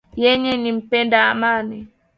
Yeye ni mpenda amani